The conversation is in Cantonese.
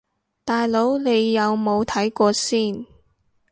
大佬你有冇睇過先